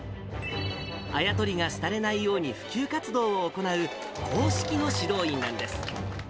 あや取りが廃れないように普及活動を行う、公式の指導員なんです。